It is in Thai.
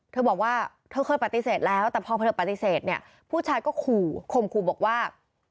เธอบอกว่าเธอเคยปฏิเสธแล้วแต่พอเธอปฏิเสธเนี่ยผู้ชายก็ขู่ข่มขู่บอกว่า